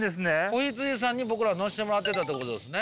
子羊さんに僕ら乗せてもらってたってことですね。